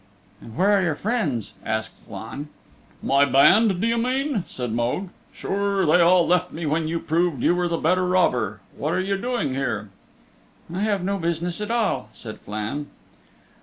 "And where are your friends?" asked Flann. "My band, do you mean?" said Mogue. "Sure, they all left me when you proved you were the better robber. What are you doing here?" "I have no business at all," said Flann.